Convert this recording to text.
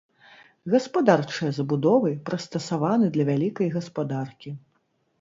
Гаспадарчыя забудовы прыстасаваны для вялікай гаспадаркі.